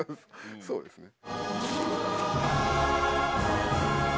そうですね。